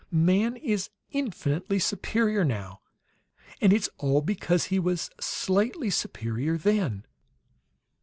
Man is infinitely superior, now, and it's all because he was slightly superior, then."